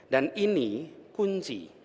dan ini kunci